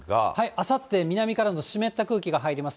あさって、南からの湿った空気が入ります。